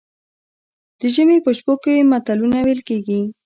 د ژمي په شپو کې متلونه ویل کیږي.